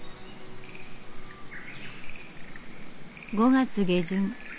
５月下旬。